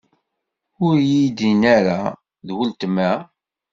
Ur iyi-d-inni ara: D ultma?